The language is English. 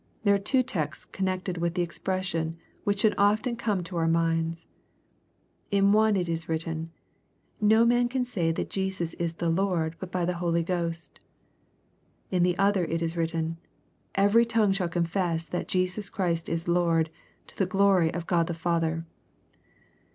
There are two texts connected with the expression which should often come to our minds. In one it is written, '^ No man can say that Jesus is the Lord but by the Holy Ghost." In the other it is written, ^^ Every tongue shall confess that Jesus Christ is Lord, to the glory of God the Father."